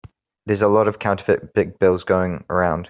There's a lot of counterfeit big bills going around.